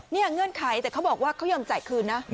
นี่เงื่อนไขแต่เขาบอกว่าเขายอมจ่ายคืนนะ